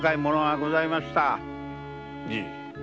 じい。